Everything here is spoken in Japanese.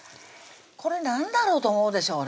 これ何だろうと思うでしょうね